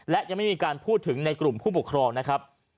และยังไม่มีการพูดถึงในกลุ่มผู้ปกครองนะครับ